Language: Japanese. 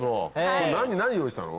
何用意したの？